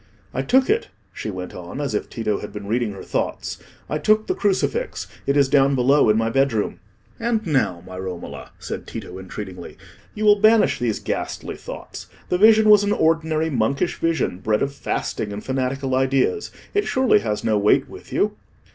"I took it," she went on, as if Tito had been reading her thoughts; "I took the crucifix; it is down below in my bedroom." "And now, my Romola," said Tito, entreatingly, "you will banish these ghastly thoughts. The vision was an ordinary monkish vision, bred of fasting and fanatical ideas. It surely has no weight with you."